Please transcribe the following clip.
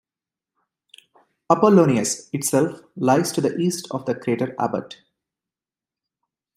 Apollonius itself lies to the east of the crater Abbot.